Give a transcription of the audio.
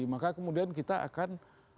maka kemudian kita akan